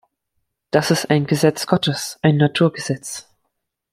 Das ist ein Gesetz Gottes, ein Naturgesetz.